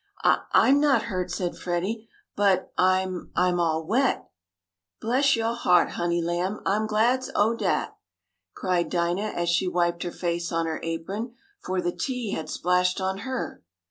"I I'm not hurt," said Freddie, "but I I'm all wet!" "Bress yo' heart, honey lamb! I'se glad ob dat!" cried Dinah, as she wiped her face on her apron, for the tea had splashed on her.